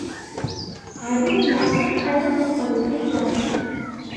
عَدُوُّ عَاقِلٌ خَيْرٌ مِنْ صَدِيقٍ جَاهِلٍ.